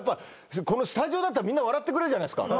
このスタジオだったらみんな笑ってくれるじゃないですか。